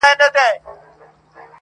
توره تیاره ده دروازه یې ده چینجو خوړلې!!